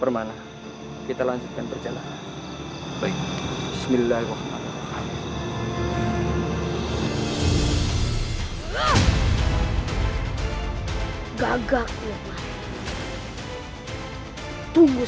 bermanah kita lanjutkan perjalanan